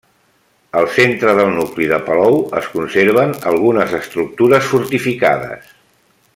Al centre del nucli de Palou es conserven algunes estructures fortificades.